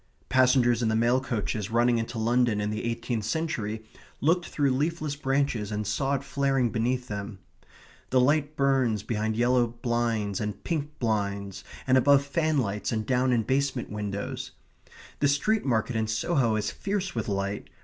Passengers in the mail coaches running into London in the eighteenth century looked through leafless branches and saw it flaring beneath them. The light burns behind yellow blinds and pink blinds, and above fanlights, and down in basement windows. The street market in Soho is fierce with light.